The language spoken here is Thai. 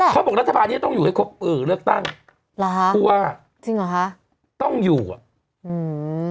เลือกตั้งเลือกตั้งเลือกตั้งซ่อมอ่ะไม่เลือกตั้งอ๋อปีนี้ไง